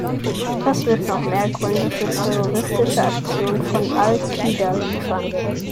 Das wird noch mehr Gründe für terroristische Aktionen von Al Qaida liefern.